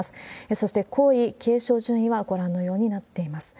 そして皇位継承順位はご覧のようになっています。